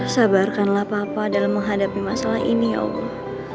sabarkanlah papa dalam menghadapi masalah ini allah